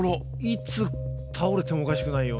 いつ倒れてもおかしくないような。